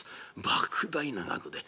ばく大な額で。